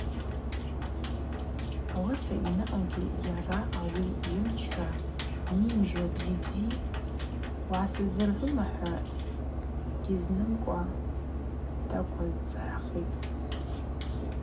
Ауаса йанаъугьи йара ауи йымчра нимыжьуа – Бзи-бзи угӏасыздзыргӏвума? – хӏва йызнымкӏва даквазцӏгӏитӏ.